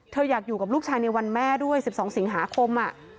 อยากอยู่กับลูกชายในวันแม่ด้วย๑๒สิงหาคม